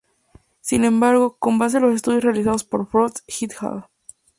Sin embargo, con base a los estudios realizados por Frost "et al.